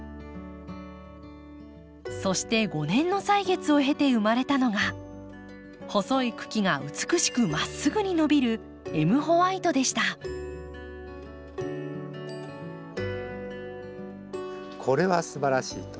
そして５年の歳月を経て生まれたのが細い茎が美しくまっすぐに伸びるこれはすばらしいと。